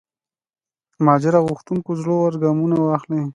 ماجرا غوښتونکو زړه ور ګامونه واخلي.